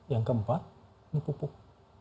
yang keempat ini pupuk